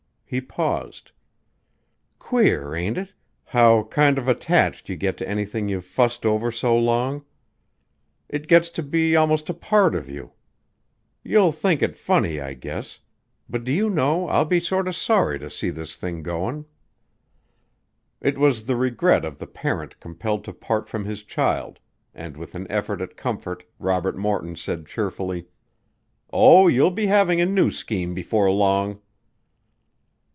He paused. "Queer, ain't it, how kinder attached you get to anything you've fussed over so long? It gets to be 'most a part of you. You'll think it funny, I guess, but do you know I'll be sorter sorry to see this thing goin'." It was the regret of the parent compelled to part from his child and with an effort at comfort Robert Morton said cheerfully: "Oh, you'll be having a new scheme before long."